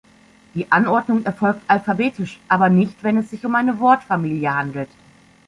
Die "Anordnung" erfolgt alphabetisch, aber nicht, wenn es sich um eine "Wortfamilie" handelt.